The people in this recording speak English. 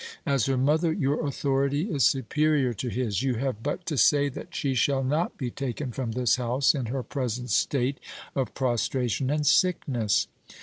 As her mother, your authority is superior to his; you have but to say that she shall not be taken from this house in her present state of prostration and sickness."